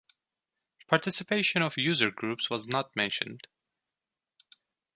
Participation of user groups was not mentioned.